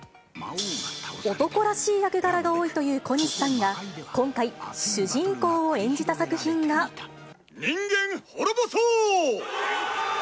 男らしい役柄が多いという小西さんが、今回、主人公を演じた作品人間滅ぼそう！